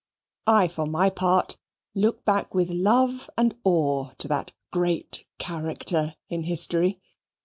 I, for my part, look back with love and awe to that Great Character in history.